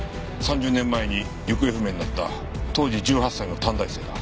３０年前に行方不明になった当時１８歳の短大生だ。